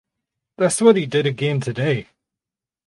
That’s what he did again today.